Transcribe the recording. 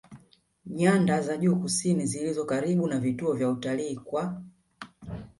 nyada za juu kusini zilizo karibu na vivutio vya utalii kwa